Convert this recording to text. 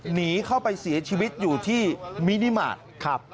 หนีเข้าไปสีชีวิตอยู่ที่มินิมาศ